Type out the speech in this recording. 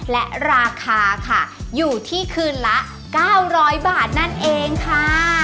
และราคาค่ะอยู่ที่คืนละ๙๐๐บาทนั่นเองค่ะ